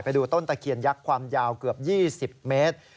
ไปดูต้นตะเคียนยักษ์ความยาวเกือบ๒๐เมตร